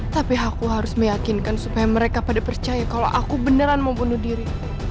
tapi aku harus meyakinkan supaya mereka pada percaya kalau aku beneran mau bunuh diri